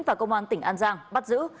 và công an tỉnh an giang bắt giữ